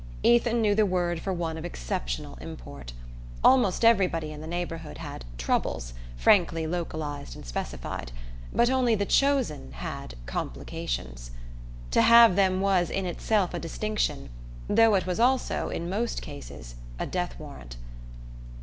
Ethan knew the word for one of exceptional import. Almost everybody in the neighbourhood had "troubles," frankly localized and specified; but only the chosen had "complications." To have them was in itself a distinction, though it was also, in most cases, a death warrant.